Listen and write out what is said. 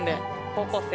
高校生。